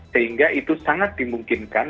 sehingga itu sangat dimungkinkan